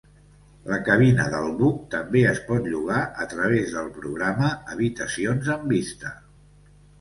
La cabina del buc també es pot llogar a través del programa "Habitacions amb vista".